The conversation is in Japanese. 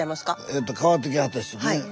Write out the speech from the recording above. えとかわってきはった人ねはい。